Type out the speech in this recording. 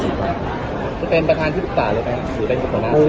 เป็นประธานศิษย์ศาสตร์หรือเป็นศัตรูหน้า